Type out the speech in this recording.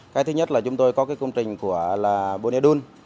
cái thứ nhất là chúng tôi có cái công trình của bùn e đun